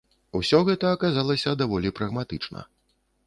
Усё гэта аказалася даволі прагматычна.